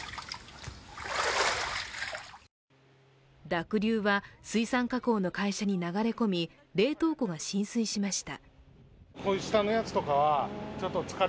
濁流は水産加工の会社に流れ込み冷凍庫が浸水しました。